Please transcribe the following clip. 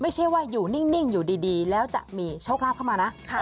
ไม่ใช่ว่าอยู่นิ่งอยู่ดีแล้วจะมีโชคลาภเข้ามานะ